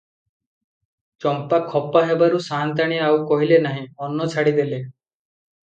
ଚମ୍ପା ଖପା ହେବାରୁ ସାଆନ୍ତାଣୀ ଆଉ କହିଲେ ନାହିଁ, ଅନ୍ନ ଛାଡ଼ିଦେଲେ ।